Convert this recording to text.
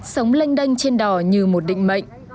sống lênh đanh trên đỏ như một định mệnh